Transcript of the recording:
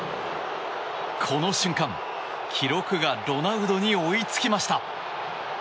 この瞬間、記録がロナウドに追いつきました。